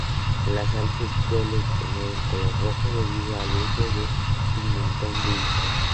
La salsa suele tener color rojo debido al uso de pimentón dulce.